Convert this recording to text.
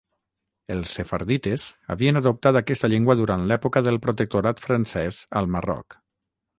Els sefardites havien adoptat aquesta llengua durant l'època del protectorat francès al Marroc.